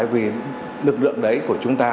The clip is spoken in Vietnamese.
vì lực lượng đấy của chúng ta